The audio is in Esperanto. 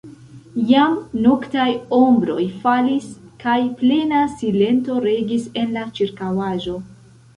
Jam noktaj ombroj falis, kaj plena silento regis en la ĉirkaŭaĵo.